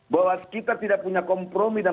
bahwa kita tidak punya kompromi dan